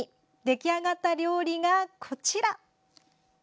出来上がった料理がこちら。